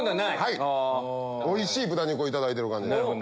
おいしい豚肉をいただいてる感じ。